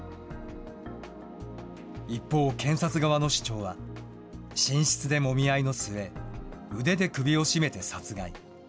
一方、検察側の主張は、寝室でもみ合いの末、腕で首を絞めて殺害。